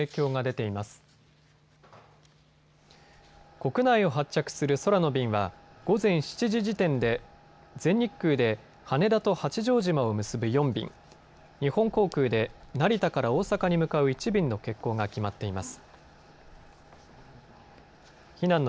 国内を発着する空の便は午前７時時点で全日空で羽田と八丈島を結ぶ４便、日本航空で成田から大阪に向かう１便の欠航が決まっています。